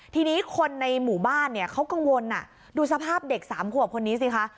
ทีนี้คนในหมู่บ้านเนี่ยเขากังวลดูสภาพเด็กสามขวบคนนี้สิคะ